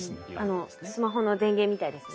あのスマホの電源みたいですね。